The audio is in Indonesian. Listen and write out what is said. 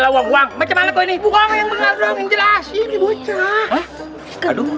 amat kecil dulu